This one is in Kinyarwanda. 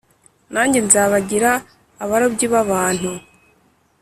nanjye nzabagira abarobyi b abantu